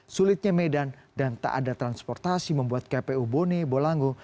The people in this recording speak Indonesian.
sulitnya medan dan tak ada transportasi membuat kpu bone bolango